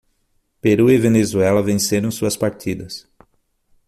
Peru e Venezuela venceram suas partidas.